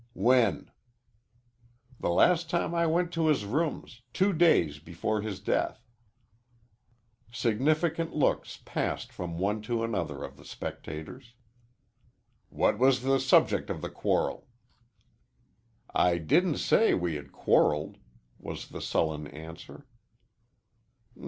"When?" "The last time I went to his rooms two days before his death." Significant looks passed from one to another of the spectators. "What was the subject of the quarrel?" "I didn't say we had quarreled," was the sullen answer.